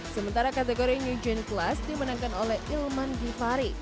sementara kategori new gen class dimenangkan oleh ilman givhary